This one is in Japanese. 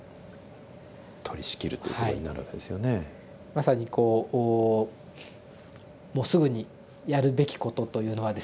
まさにこうもうすぐにやるべきことというのはですね